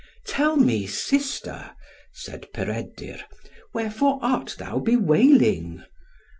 "Tell me, sister," said Peredur, "wherefore art thou bewailing?"